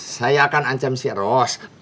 saya akan ancam si ros